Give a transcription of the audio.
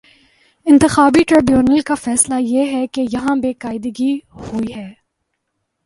انتخابی ٹربیونل کا فیصلہ یہ ہے کہ یہاں بے قاعدگی ہو ئی ہے۔